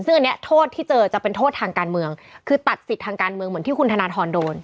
ซึ่งอันนี้โทษที่เจอจะเป็นโทษทางการเมืองคือตัดสิทธิ์ทางการเมืองเหมือนที่คุณธนทรโดน